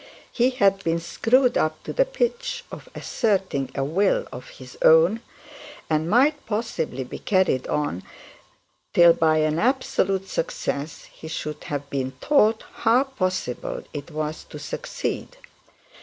He had been screwed up to the pitch of asserting a will of his own, and might possibly be carried on till by an absolute success he should have been taught how possible it was to succeed.